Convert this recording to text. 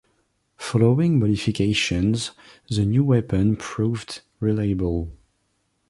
Following modifications the new weapon proved reliable.